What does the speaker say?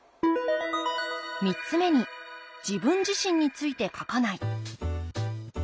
３つ目に「自分自身について書かない」。